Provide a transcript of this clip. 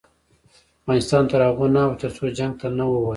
افغانستان تر هغو نه ابادیږي، ترڅو جنګ ته نه ووایو.